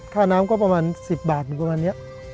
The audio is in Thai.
น้ำก็ประมาณ๑๐บาทหรือประมาณนี้